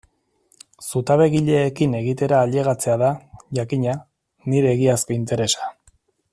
Zutabegileekin egitera ailegatzea da, jakina, nire egiazko interesa.